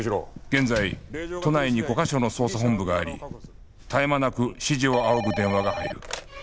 現在都内に５か所の捜査本部があり絶え間なく指示を仰ぐ電話が入る